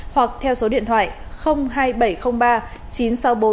hoặc theo số điện thoại hai nghìn bảy trăm linh ba chín trăm sáu mươi bốn năm trăm sáu mươi năm